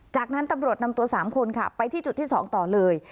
จากนั้นตำรวจนำตัว๓คนค่ะไปที่จุดที่๒ต่อเลย